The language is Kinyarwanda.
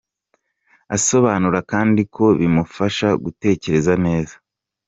Asobanura kandi ko bimufasha gutekereza neza.